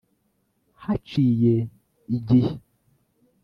haciye igihe